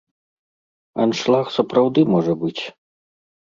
Аншлаг сапраўды можа быць.